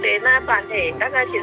đấy anh bày hoa quả mâm tự ứng